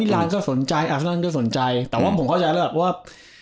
ลานก็สนใจอาสนอนก็สนใจแต่ว่าผมเข้าใจแล้วแหละว่า